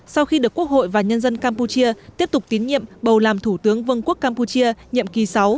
sau khi được quốc hội và nhân dân campuchia tiếp tục tín nhiệm bầu làm thủ tướng vương quốc campuchia nhiệm kỳ sáu